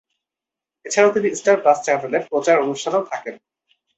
এছাড়াও তিনি Star Plus চ্যানেলের প্রচার অনুষ্ঠানেও থাকেন।